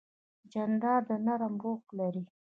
جانداد د نرمه روح لري.